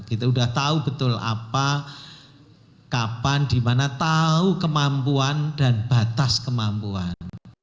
kita sudah tahu betul apa kapan dimana tahu kemampuan dan batas kemampuan